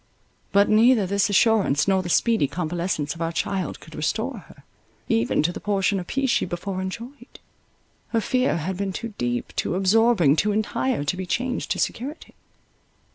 But neither this assurance, nor the speedy convalescence of our child could restore her, even to the portion of peace she before enjoyed. Her fear had been too deep, too absorbing, too entire, to be changed to security.